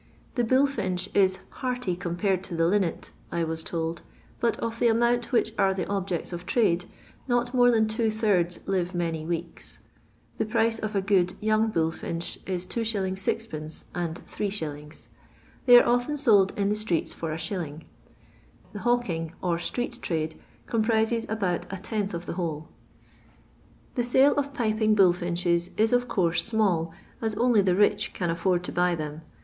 The bullfinch is "hearty compared to the linnet," I was told, but of the amount which are the objects of trade, not more than two thirds live many weeks. The price of a good young bullfinch is 2«. ^. and St. They are often sold in the streets for 1«. The hawking or street trade comprises about a tenth of the whole. The sale of piping bullfinches is, of course, small, as only the rich can afford to buy them.